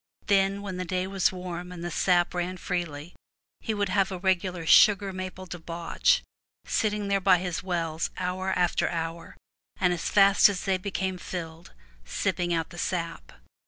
Then, when the day was warm, and the sap ran freely, he would have a regular sugar maple debauch, sitting there by his wells hour after hour, and as fast as they became filled sipping out the sap.